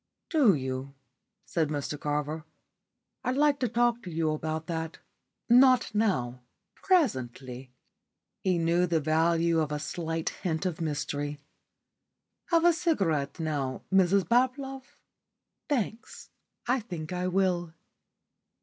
"Do you?" said Mr Carver. "I'd like to talk to you about that. Not now presently." He knew the value of a slight hint of mystery. "Have a cigarette now, Mrs Bablove?" "Thanks. I think I will."